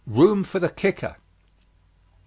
ROOM FOR THE KICKER. 100.